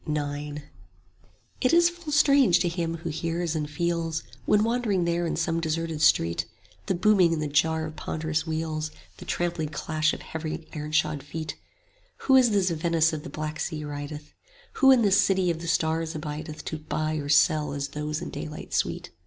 IX It is full strange to him who hears and feels, When wandering there in some deserted street, The booming and the jar of ponderous wheels, The trampling clash of heavy ironshod feet: Who in this Venice of the Black Sea rideth? 5 Who in this city of the stars abideth To buy or sell as those in daylight sweet?